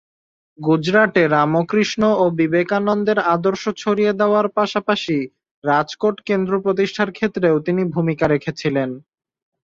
গুজরাটে রামকৃষ্ণ ও বিবেকানন্দের আদর্শ ছড়িয়ে দেওয়ার পাশাপাশি রাজকোট কেন্দ্র প্রতিষ্ঠার ক্ষেত্রেও তিনি ভূমিকা রেখেছিলেন।